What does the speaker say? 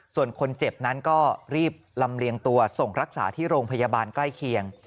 ส่วนคนเจ็บนั้นก็รีบลำเลียงตัวส่งรักษาที่โรงพยาบาลใกล้เคียง